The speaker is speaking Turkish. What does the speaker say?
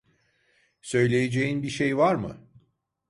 Söyleyeceğin bir şey var mı?